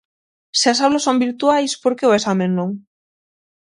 Se as aulas son virtuais, porque o exame non?